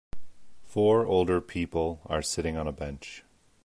Four older people are sitting on a bench.